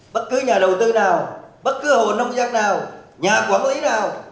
bất cứ nhà đầu tư nào bất cứ hồ nông giác nào nhà quản lý nào